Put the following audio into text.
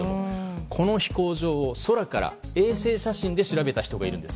この飛行場を空から衛星写真で調べた人がいます。